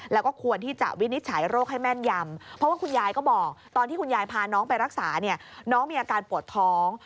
แล้วก็ควรที่จะวินิจฉัยโรคให้แม่นยำเพราะว่าคุณยายก็บอกตอนที่คุณยายพาน้องไปรักษาเนี่ยน้องมีอาการปวดท้อง